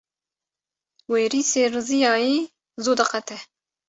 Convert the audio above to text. Werîsê riziyayî zû diqete.